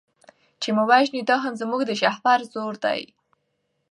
چي مو وژني دا هم زموږ د شهپر زور دی